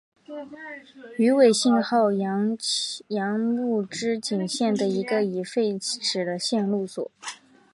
羽尾信号场筱之井线的一个已废止的线路所。